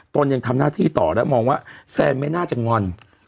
ตนยังทำหน้าที่ต่อและมองว่าแซนไม่น่าจะงอน